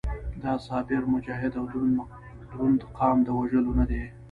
دا صابر، مجاهد او دروند قام د وژلو نه دی.